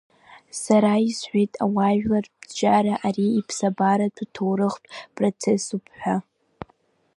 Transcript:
Сара исҳәеит ауаажәларратә ҿиара ари иԥсабаратәу ҭоурыхтә процессуп ҳәа.